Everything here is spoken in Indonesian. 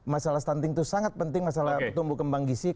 masalah stunting itu sangat penting masalah tumbuh kembang gizi